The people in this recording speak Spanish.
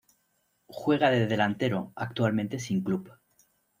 Juega de Delantero actualmente sin club